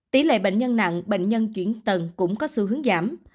tỷ lệ bệnh nhân nặng bệnh nhân chuyển tầng cũng có xu hướng giảm